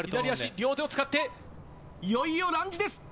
両手を使って、いよいよランジです。